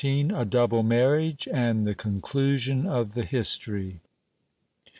— A double marriage, and the conclusion of the history.